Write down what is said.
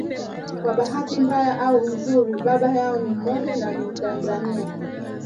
Kwa bahati mbaya au nzuri baba yao ni mmoja na ni mtanzania